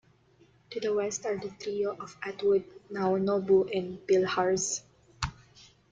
To the west are the trio of Atwood, Naonobu, and Bilharz.